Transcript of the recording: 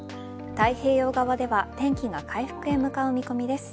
太平洋側では天気が回復へ向かう見込みです。